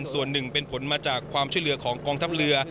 ส่วนหนึ่งเป็นผลมาจากความช่วยเหลือของกองทัพเรือ